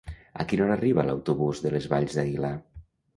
A quina hora arriba l'autobús de les Valls d'Aguilar?